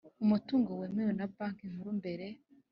Umutungo wemewe na banki nkuru mbere